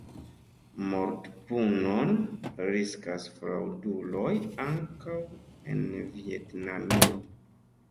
Mortpunon riskas fraŭduloj ankaŭ en Vjetnamio.